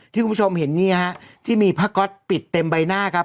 ที่คุณผู้ชมเห็นนะครับที่มีพระกอ๊ดปิดเต็มใบหน้าครับ